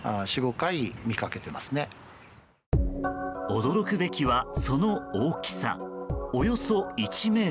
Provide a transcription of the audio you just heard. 驚くべきは、その大きさおよそ１ｍ。